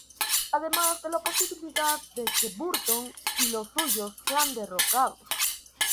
Además de la posibilidad de que Burton y los suyos sean derrocados.